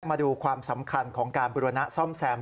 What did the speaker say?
มาดูความสำคัญของการบุรณะซ่อมแซม